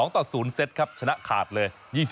ต่อ๐เซตครับชนะขาดเลย